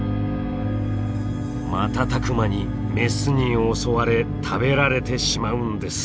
瞬く間にメスに襲われ食べられてしまうんです！